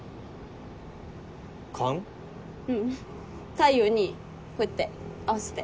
太陽にこうやって合わせて。